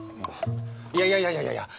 いやいやいやいやいやいや！